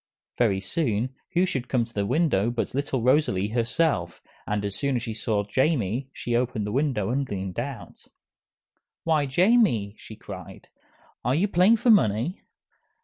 Very soon, who should come to the window but little Rosalie herself, and as soon as she saw Jamie she opened the window and leaned out. "Why, Jamie," she cried, "are you playing for money?"